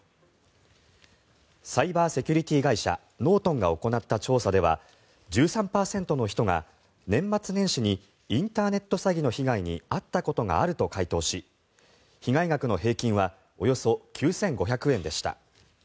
サイバーセキュリティー会社ノートンが行った調査では１３％の人が年末年始にインターネット詐欺の被害に遭ったことがあると回答し被害額の平均はおよそ９５００円でした。